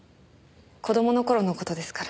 子供の頃の事ですから。